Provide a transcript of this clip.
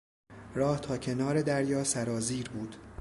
راه تا کنار دریا سرازیر بود.